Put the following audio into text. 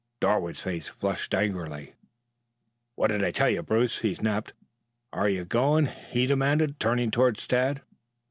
Darwood's face flushed angrily. "What did I tell you, Bruce?" he snapped. "Are you going?" he demanded, turning towards Tad.